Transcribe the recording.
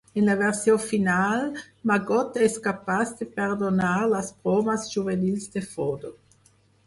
En la versió final, Maggot és capaç de perdonar les bromes juvenils de Frodo.